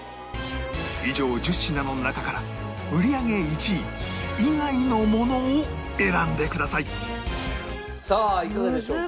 以上１０品の中から売り上げ１位以外のものを選んでくださいさあいかがでしょうか？